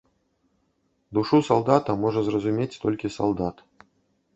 Душу салдата можа зразумець толькі салдат.